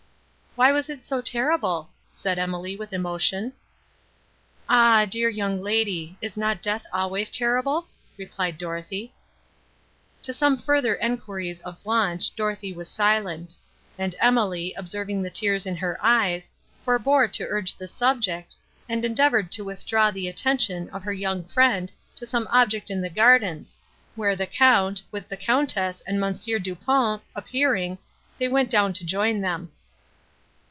"Why was it so terrible?" said Emily with emotion. "Ah, dear young lady! is not death always terrible?" replied Dorothée. To some further enquiries of Blanche Dorothée was silent; and Emily, observing the tears in her eyes, forbore to urge the subject, and endeavoured to withdraw the attention of her young friend to some object in the gardens, where the Count, with the Countess and Monsieur Du Pont, appearing, they went down to join them.